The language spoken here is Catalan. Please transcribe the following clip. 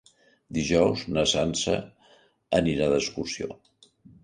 Dijous na Sança anirà d'excursió.